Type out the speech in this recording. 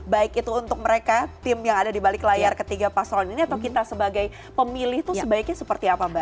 baik itu untuk mereka tim yang ada dibalik layar ketiga paslon ini atau kita sebagai pemilih itu sebaiknya seperti apa mbak